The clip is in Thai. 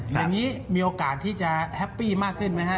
อย่างนี้มีโอกาสที่จะแฮปปี้มากขึ้นไหมฮะ